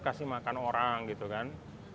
kasih makan orang gitu kan